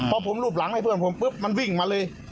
พอผมรูปหลังให้เพื่อนผมปุ๊บมันวิ่งมาเลย